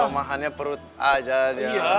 kalau mahannya perut aja dia